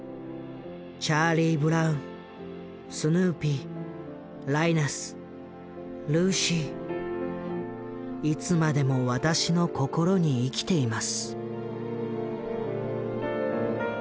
チャーリー・ブラウンスヌーピーライナスルーシーいつまでも私の心に生きています」。